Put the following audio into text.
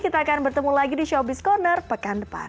kita akan bertemu lagi di showbiz corner pekan depan